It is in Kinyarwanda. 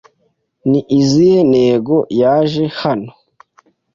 Ni izihe ntego yaje hano?